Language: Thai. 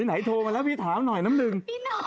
ไหนโทรมาแล้วพี่ถามหน่อยน้ำหนึ่ง